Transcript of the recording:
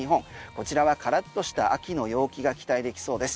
こちらはからっとした秋の陽気が期待できそうです。